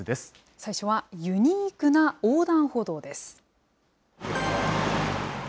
最初はユニークな横断歩道です。